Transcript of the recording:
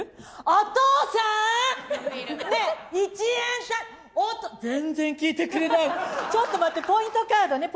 お父さーん、ねぇ、１円全然聞いてくれない、ちょっと待って、ポイントカードね。